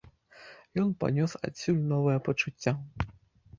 Ён панёс адсюль новае пачуццё.